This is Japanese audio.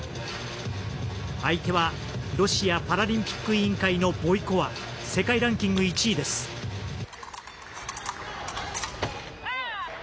相手はロシアパラリンピック委員会のボイコワ世界ランキング１位です。